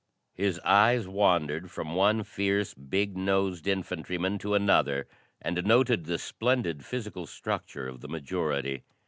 His eyes wandered from one fierce, big nosed infantryman to another and noted the splendid physical structure of the majority.